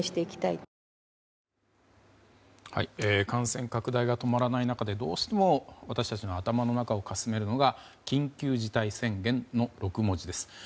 感染拡大が止まらない中でどうしても私たちの頭の中をかすめるのが緊急事態宣言の６文字です。